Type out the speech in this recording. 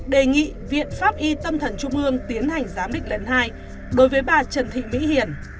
đề nghị viện pháp y tâm thần trung ương tiến hành giám định lần hai bởi bà trần thị mỹ hiền